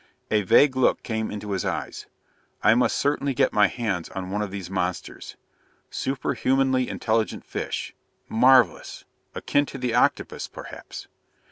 A vague look came into his eyes. "I must certainly get my hands on one of these monsters ... superhumanly intelligent fish ... marvelous akin to the octopus, perhaps?"